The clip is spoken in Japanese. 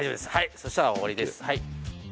そしたら終わりです。